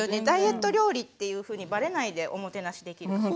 ダイエット料理っていうふうにバレないでおもてなしできる。